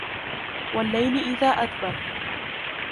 وَاللَّيْلِ إِذْ أَدْبَرَ